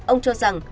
ông cho rằng